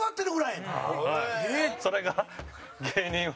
田中：それが、芸人は。